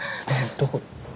どこ？